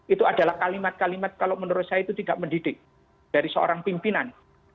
itu adalah kalimat kalimat kalau menurut saya itu tidak mendidik dari seorang pimpinan